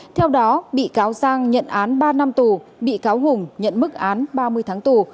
theo đó bị cáo giang nhận án ba năm tù bị cáo hùng nhận mức án ba mươi tháng tù